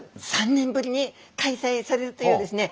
３年ぶりに開催されるというですね